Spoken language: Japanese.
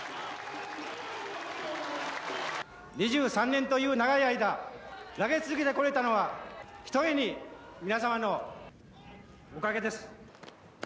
２３年という長い間、投げ続けてこれたのはひとえに皆様のおかげです。